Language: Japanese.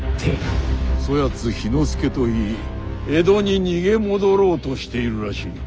そやつ氷ノ介といい江戸に逃げ戻ろうとしているらしい。